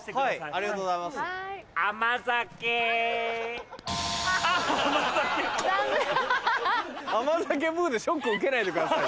「あま酒」ブでショック受けないでくださいよ。